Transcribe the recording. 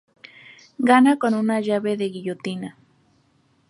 Gana con una llave de guillotina.